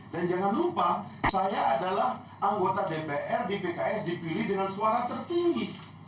dan jangan lupa saya adalah anggota dpr di pks dipilih dengan suara tertinggi